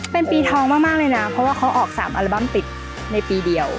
เป็นปีทองมากเลยนะเพราะว่าเขาออก๓อัลบั้มปิดในปีเดียว